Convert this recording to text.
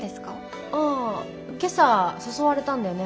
ああ今朝誘われたんだよね